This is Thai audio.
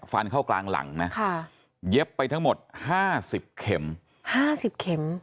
ฟันเข้ากลางหลังนะค่ะเย็บไปทั้งหมดห้าสิบเข็มห้าสิบเข็ม